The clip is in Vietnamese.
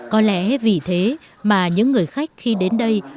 có lẽ vì thế mà những người khách khi đến đây